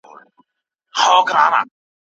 هر فصل ځانته جلا امتیاز لري